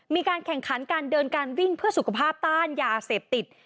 มีการแข่งขันการเดินการวิ่งเพื่อสุขภาพต้านยาเสพติด